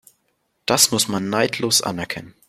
Das muss man neidlos anerkennen.